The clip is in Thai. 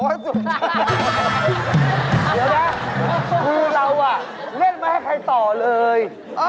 เดี๋ยวนะคือเราเล่นไม่ให้ใครต่อเลย